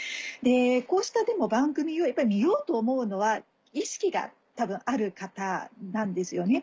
こうした番組をやっぱり見ようと思うのは意識が多分ある方なんですよね。